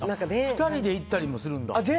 ２人で行ったりもするんだ。